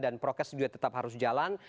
dan proses juga tetap harus jalan